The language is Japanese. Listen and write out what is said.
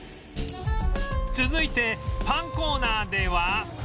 続いてパンコーナーでは